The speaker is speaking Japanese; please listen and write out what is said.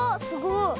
すごい。